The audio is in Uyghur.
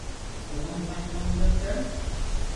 قىلغان گۇناھلىرىڭنى بىلەمسەن؟